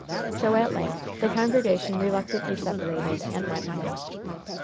So, at length, the congregation reluctantly separated and went home.